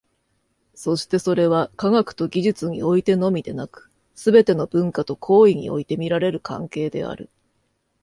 そしてそれは、科学と技術においてのみでなく、すべての文化と行為において見られる関係である。